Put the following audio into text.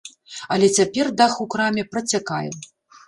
Але цяпер дах у краме працякае.